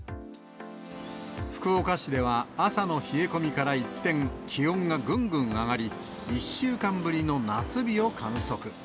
福岡市では朝の冷え込みから一転、気温がぐんぐん上がり、１週間ぶりの夏日を観測。